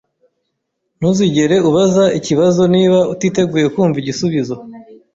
Ntuzigere ubaza ikibazo niba utiteguye kumva igisubizo.